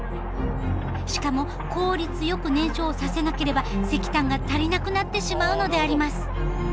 しかも効率よく燃焼させなければ石炭が足りなくなってしまうのであります。